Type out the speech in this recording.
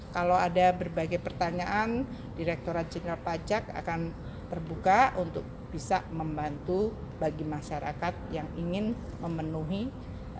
kalau ada berbagai pertanyaan direkturat jenderal pajak akan terbuka untuk bisa membantu bagi masyarakat yang ingin memenuhi kebutuhan